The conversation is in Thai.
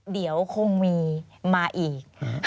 เดี๋ยวคงมีมาอีก